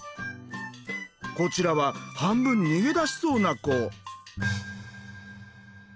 こちらは半分逃げ出しそうな子。